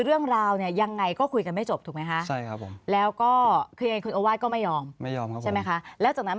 เรื่องราวเนี่ยยังไงก็คุยกันไม่จบถูกไหมคะแล้วก็ไม่ยอมใช่ไหมคะแล้วจากนั้นมัน